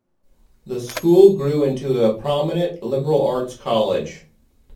The school grew into a prominent liberal arts college.